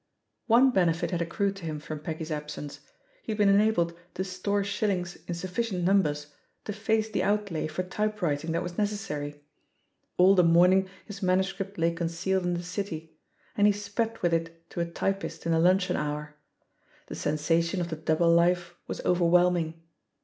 One benefit had accrued to him from Peggy's absence — ^he had been enabled to store shillings in sufficient numbers to face the outlay for type writing that was necessary; all the morning his manuscript lay concealed in the City, and he sped with it to a typist in the luncheon hour. The sensation of the "double life*' was over whelming.